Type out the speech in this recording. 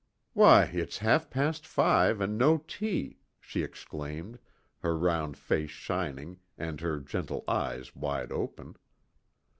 "Why, it's half past five and no tea," she exclaimed, her round face shining, and her gentle eyes wide open.